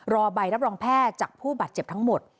รอใบรับรองแพทย์จากผู้บาดเจ็บทั้งหมด